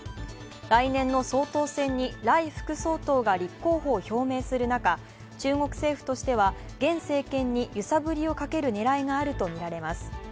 来年の総統選に頼副総統が立候補を表明する中中国政府としては現政権に揺さぶりをかける狙いがあるとみられます。